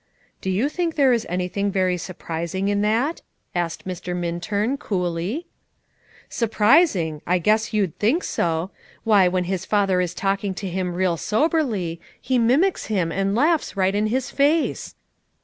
"Do you think there is anything very surprising in that?" asked Mr. Minturn coolly. "Surprising! I guess you'd think so. Why, when his father is talking to him real soberly, he mimics him, and laughs right in his face."